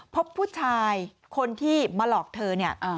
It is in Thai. พบผู้ชายคนที่มาหลอกเธอเนี่ย